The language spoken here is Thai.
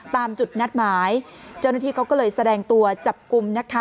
ตามจุดนัดหมายเจ้าหน้าที่เขาก็เลยแสดงตัวจับกลุ่มนะคะ